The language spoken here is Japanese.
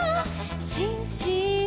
「しんしん」「」